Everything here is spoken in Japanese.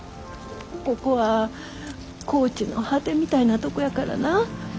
ここは高知の果てみたいなとこやからな。